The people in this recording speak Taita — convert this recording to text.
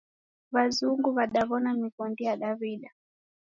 W'azungu w'adaw'ona mighondi ya Daw'ida.